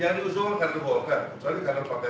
yang diusung kan dibolkan tapi kalau dipakai kan